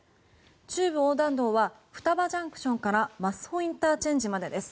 中部横断道は双葉ＪＣＴから増穂ＩＣまでです。